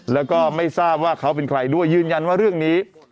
แล้วก็ไม่ทราบว่าเขาเป็นใครด้วยยืนยันว่าเรื่องนี้